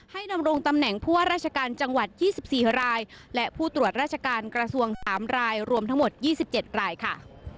ดำรงตำแหน่งผู้ว่าราชการจังหวัด๒๔รายและผู้ตรวจราชการกระทรวง๓รายรวมทั้งหมด๒๗รายค่ะ